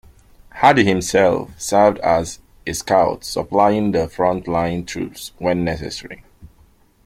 Hardy himself served as a scout, supplying the front line troops when necessary.